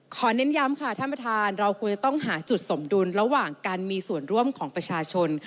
เน้นย้ำค่ะท่านประธานเราควรจะต้องหาจุดสมดุลระหว่างการมีส่วนร่วมของประชาชน